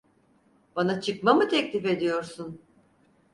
Bana çıkma mı teklif ediyorsun?